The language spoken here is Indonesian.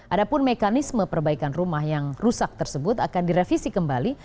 adapun mekanisme perbaikan rumah yang rusak tersebut akan direvisi kembali